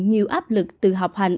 nhiều áp lực từ học hành